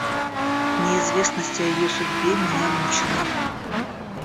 Неизвестность о ее судьбе меня мучила.